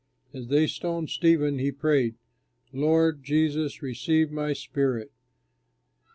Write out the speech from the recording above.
As they stoned Stephen, he prayed, "Lord, Jesus, receive my spirit!"